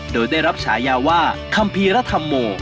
โดยได้รับฉายาว่าคัมภีรธรรมโม